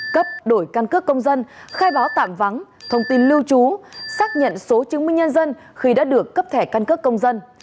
cấp đổi căn cước công dân khai báo tạm vắng thông tin lưu trú xác nhận số chứng minh nhân dân khi đã được cấp thẻ căn cước công dân